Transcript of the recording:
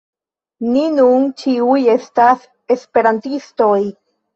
Ni nun ĉiuj estas esperantistoj!